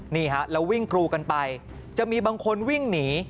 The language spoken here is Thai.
นี่ฮะแล้ววิ่งกรูกันไปจะมีบางคนวิ่งหนี